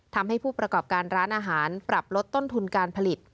ทำให้ผู้ประกอบการร้านอาหารปรับลดต้นทุนการผลิต